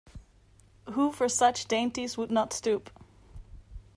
Who for such dainties would not stoop?